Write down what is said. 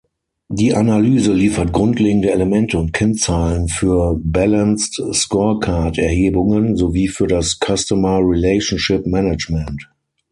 Die Analyse liefert grundlegende Elemente und Kennzahlen für Balanced Scorecard-Erhebungen sowie für das Customer-Relationship-Management.